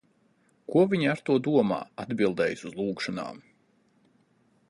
"Ko viņa ar to domā "atbildējis uz lūgšanām"?"